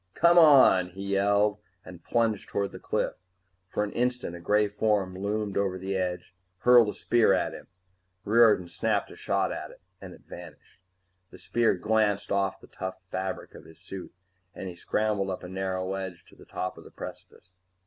"Come on!" he yelled, and plunged toward the cliff. For an instant a gray form loomed over the edge, hurled a spear at him. Riordan snapped a shot at it, and it vanished. The spear glanced off the tough fabric of his suit and he scrambled up a narrow ledge to the top of the precipice.